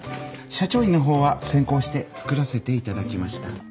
社長印のほうは先行して作らせていただきました。